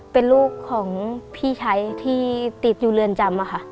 เป็นลูกของพี่ชายที่ติดอยู่เรือนจำค่ะ